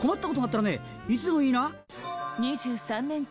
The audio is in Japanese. ２３年間